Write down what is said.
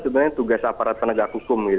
sebenarnya tugas aparat penegak hukum